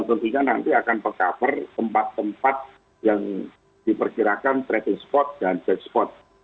pemudik pemudik yang diperkirakan tempat tempat yang diperkirakan trading spot dan trade spot